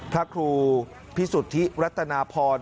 พระครูพิสุทธิรัตนาพร